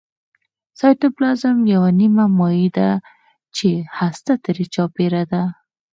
سایتوپلازم یوه نیمه مایع ماده ده چې هسته ترې چاپیره ده